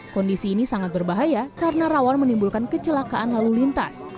kondisi ini sangat berbahaya karena rawan menimbulkan kecelakaan lalu lintas